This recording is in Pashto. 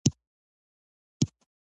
د لاس پمپ کارول سخت دي؟